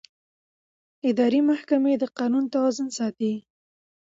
اداري محکمې د قانون توازن ساتي.